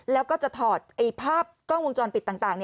แล้วก็จะถอดภาพกล้องวงจรปิดต่าง